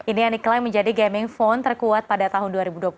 ini yang diklaim menjadi gaming phone terkuat pada tahun dua ribu dua puluh satu